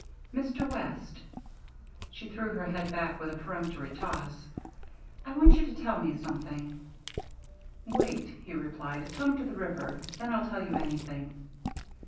"Mr. West," she threw her head back with a peremptory toss "I want you to tell me something." "Wait," he replied, "come to the river. Then I'll tell you anything."